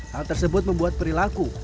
hal tersebut membuat perilaku